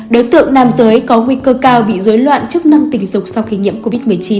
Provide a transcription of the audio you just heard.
đối tượng nam giới có nguy cơ cao bị dối loạn chức năng tình dục sau khi nhiễm covid một mươi chín